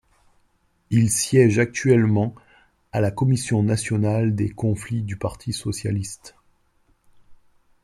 Il siège actuellement à la Commission nationale des conflits du Parti socialiste.